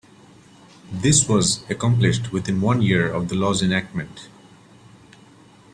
This was accomplished within one year of the law's enactment.